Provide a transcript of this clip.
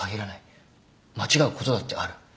間違うことだってある。